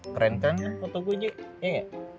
keren kan ya foto gue juga